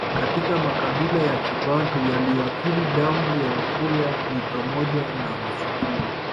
Katika makabila ya Kibantu yaliyoathiri damu ya Wakurya ni pamoja na Wasukuma